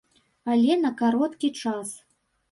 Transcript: Але на кароткі час.